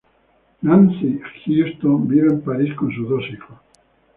Nancy Huston vive en París con sus dos hijos.